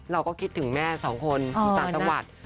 เราก็คิดถึงแม่๒คนฉันสวัสดิ์